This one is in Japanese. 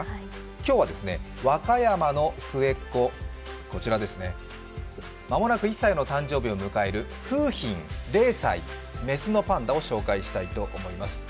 今日は和歌山の末っ子、間もなく１歳の誕生日を迎える楓浜、０歳、雌のパンダを御紹介したいと思います。